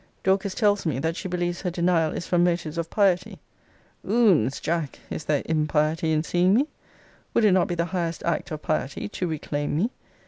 Dorcas tells me, that she believes her denial is from motives of piety. Oons, Jack, is there impiety in seeing me? Would it not be the highest act of piety to reclaim me?